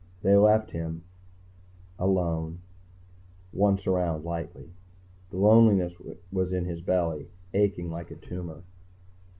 _ They left him. Alone. Once around lightly. The loneliness was in his belly, aching like a tumor.